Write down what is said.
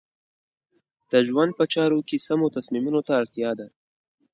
د ژوند په چارو کې سمو تصمیمونو ته اړتیا ده.